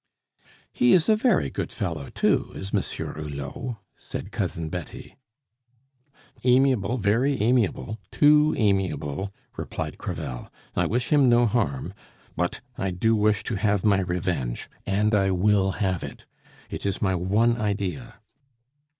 "He is a very good fellow, too, is Monsieur Hulot," said Cousin Betty. "Amiable, very amiable too amiable," replied Crevel. "I wish him no harm; but I do wish to have my revenge, and I will have it. It is my one idea."